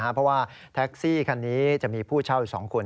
เพราะว่าแท็กซี่คันนี้จะมีผู้เช่าอีก๒คน